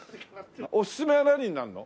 おすすめは何になるの？